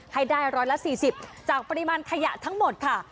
ให้ได้๑๔๐จากปริมาณขยะทั้งหมดค่ะ